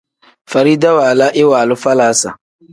Farida waala iwaalu falaasa.